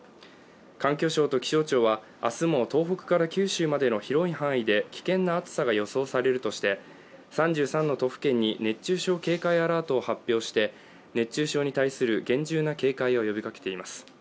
環境省と気象庁は明日も東北から九州までの広い範囲で危険な暑さが予想されるとして３３の都府県に熱中症警戒アラートを発表して熱中症に対する厳重な警戒を呼びかけています。